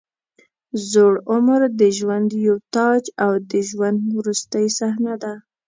زوړ عمر د ژوند یو تاج او د ژوند وروستۍ صحنه ده.